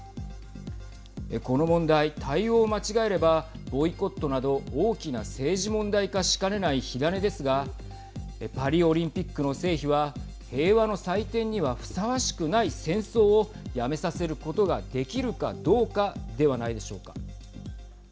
この問題、対応を間違えればボイコットなど大きな政治問題化しかねない火種ですがパリオリンピックの成否は平和の祭典にはふさわしくない戦争をやめさせることができるかどうかではないでしょうか。